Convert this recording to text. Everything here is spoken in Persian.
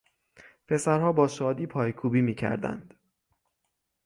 پسرها با شادی پایکوبی میکردند.